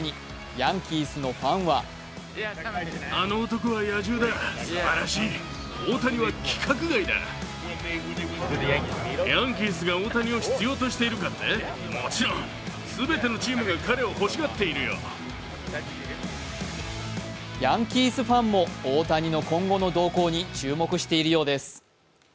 ヤンキースのファンはヤンキースファンも大谷の今後の動向に注目しているようです。